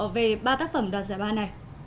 về ba tác phẩm đoạt giải ba này